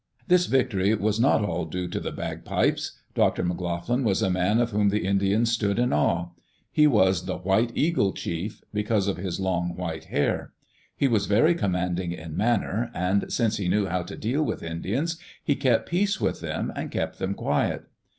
This victory was not all due to the bagpipes. Dr. McLoughlin was a man of whom the Indians stood in awe. He was the "White Eagle Chief," because of his long white liair. He was very commanding in manner, and since he knew how to deal with Indians, he kept peace with them and kept them quiet.